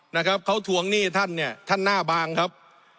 นะครับเขาทวงหนี้ท่านเนี่ยท่านหน้าบางครับ